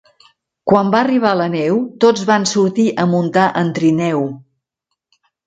Quan va arribar la neu, tots van sortir a muntar en trineu.